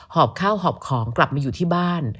อบข้าวหอบของกลับมาอยู่ที่บ้าน